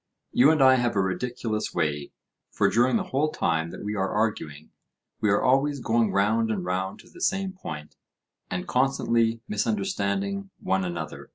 You and I have a ridiculous way, for during the whole time that we are arguing, we are always going round and round to the same point, and constantly misunderstanding one another.